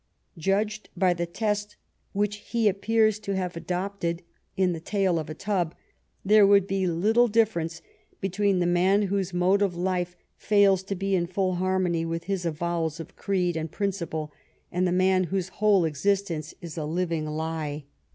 Judged by the test which he appears to have adopted in the Tale of a Tub, there would be little difference between the man whose mode of life fails to be in full harmony with his avowals of creed and principle and the man whose whole existence is a liv ing lie.